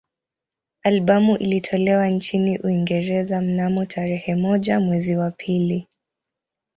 Albamu ilitolewa nchini Uingereza mnamo tarehe moja mwezi wa pili